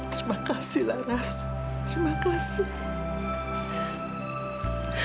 terima kasih laras terima kasih